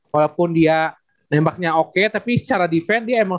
walaupun dia nembaknya oke tapi secara defense dia akhirnya balik